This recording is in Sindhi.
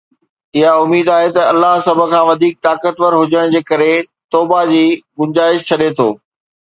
اها اميد آهي ته الله، سڀ کان وڌيڪ طاقتور هجڻ جي ڪري، توبه جي گنجائش ڇڏي ٿو